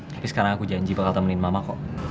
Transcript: tapi sekarang aku janji bakal temenin mama kok